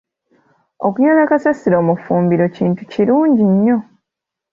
Okuyoola kasasiro mu ffumbiro kintu kirungi nnyo.